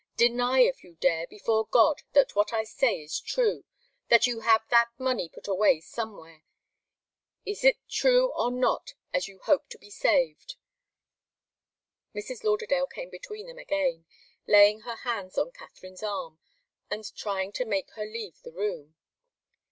Deny, if you dare, before God, that what I say is true that you have that money put away somewhere. Is it true, or not, as you hope to be saved?" Mrs. Lauderdale came between them again, laying her hands on Katharine's arm and trying to make her leave the room.